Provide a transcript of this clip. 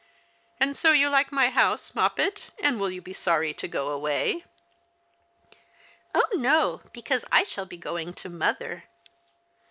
And so you like my house. Moppet ? And will you be sorry to go away ?"" Oh no, because I shall be going to mother."